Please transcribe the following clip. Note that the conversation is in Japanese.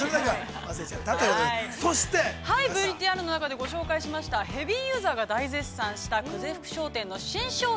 そして◆ＶＴＲの中でご紹介しましたヘビーユーザーが大絶賛した久世福商店の新商品